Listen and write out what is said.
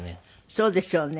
そうでしょうね